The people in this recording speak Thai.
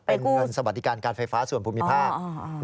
เป็นเงินสวัสดิการการไฟฟ้าส่วนภูมิภาค